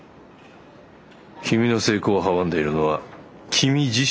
君の成功を阻んでいるのは君自身だ。